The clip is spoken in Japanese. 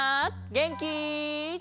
げんき？